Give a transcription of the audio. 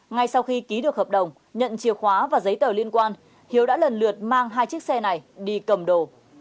ngay sau khi ký được hợp đồng nhận chìa khóa và giấy tờ liên quan hiếu đã lần lượt mang hai chiếc xe này đi cầm đồ